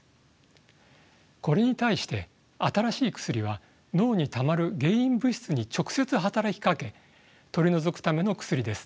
これに対して新しい薬は脳にたまる原因物質に直接働きかけ取り除くための薬です。